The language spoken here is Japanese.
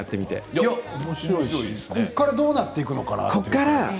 おもしろいし、ここからどうなっていくのかなって。